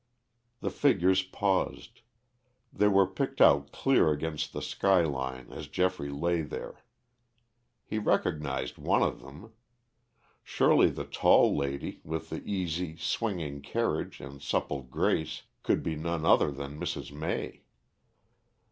The figures paused. They were picked out clear against the sky line as Geoffrey lay there. He recognized one of them. Surely the tall lady, with the easy, swinging carriage and supple grace, could be none other than Mrs. May.